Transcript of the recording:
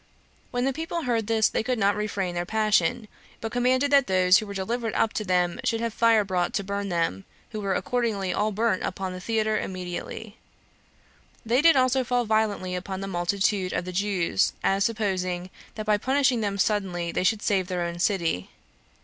When the people heard this, they could not refrain their passion, but commanded that those who were delivered up to them should have fire brought to burn them, who were accordingly all burnt upon the theater immediately. They did also fall violently upon the multitude of the Jews, as supposing that by punishing them suddenly they should save their own city.